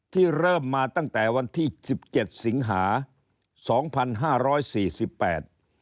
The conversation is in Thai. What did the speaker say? ที่เริ่มมาตั้งแต่วันที่สิบเจ็ดสิงหาสองพันห้าร้อยสี่สิบแปด